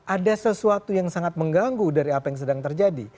ada sesuatu yang sangat mengganggu dari apa yang sedang terjadi